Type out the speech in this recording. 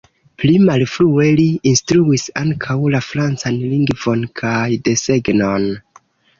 Pli malfrue li instruis ankaŭ la francan lingvon kaj desegnon.